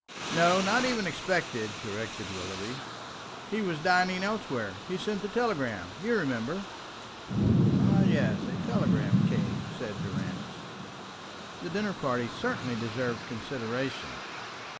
"No, not even expected," corrected Willoughby. "He was dining elsewhere. He sent the telegram, you remember." "Ah, yes, a telegram came," said Durrance. That dinner party certainly deserved consideration.